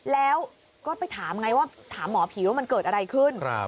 แล้วก็ไปถามไงว่าถามหมอผีว่ามันเกิดอะไรขึ้น